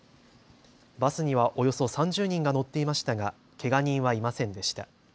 バスにはおよそ３０人が乗っていましたがけが人はいませんでした。